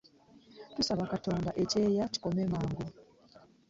Tusaba katonda ekyeya kikome mangu.